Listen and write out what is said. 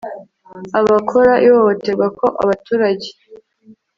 abakora ihohoterwa ko abaturage